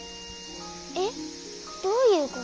えっどういうこと？